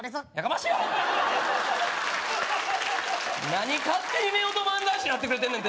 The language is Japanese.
何勝手にめおと漫才師になってくれてんねん